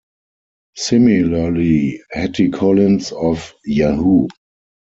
Similarly, Hattie Collins of Yahoo!